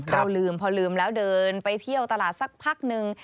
เราลืมพอลืมแล้วเดินไปเที่ยวตลาดสักพักนึง